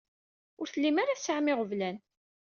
Ur tellim ara tesɛam iɣeblan.